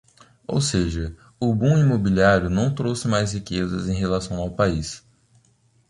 Ou seja, o boom imobiliário não trouxe mais riqueza em relação ao país.